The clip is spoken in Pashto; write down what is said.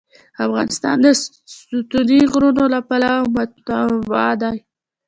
افغانستان د ستوني غرونه له پلوه متنوع دی.